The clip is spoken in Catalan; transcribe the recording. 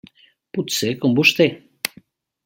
Potser com vostè.